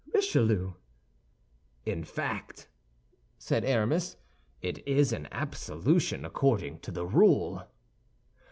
"RICHELIEU" "In fact," said Aramis, "it is an absolution according to rule."